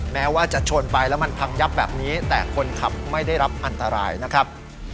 แม้ว่าจะชนไปแล้วมันพังยับแบบนี้แต่คนขับไม่ได้รับอันตรายนะครับ